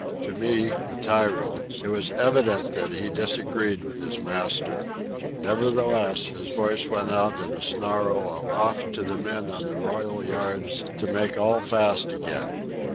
To me, a tyro, it was evident that he disagreed with his master. Nevertheless, his voice went out in a snarl aloft to the men on the royal yards to make all fast again.